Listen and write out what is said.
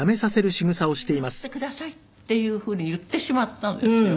「これ私に譲ってください」っていう風に言ってしまったんですよ。